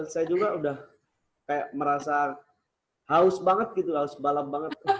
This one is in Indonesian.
saya juga udah kayak merasa haus banget gitu haus balap banget